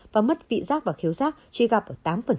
và mất vị giác và khiếu rác chỉ gặp ở tám